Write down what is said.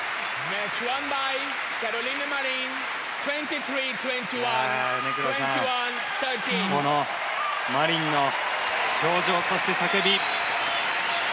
米倉さん、このマリンの表情そして、叫び。